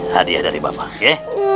hadiah dari bapak ya